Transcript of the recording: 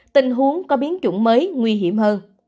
tình huống có biến chủng mới nguy hiểm hơn